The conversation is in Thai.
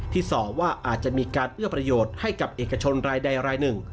ส่อว่าอาจจะมีการเอื้อประโยชน์ให้กับเอกชนรายใดรายหนึ่ง